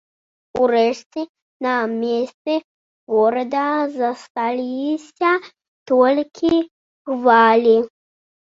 Урэшце на месцы горада засталіся толькі хвалі.